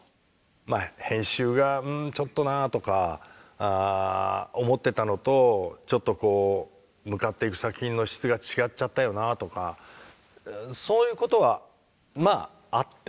まあ編集が「うんちょっとな」とか思ってたのとちょっとこう向かっていく作品の質が違っちゃったよなとかそういうことはまああって。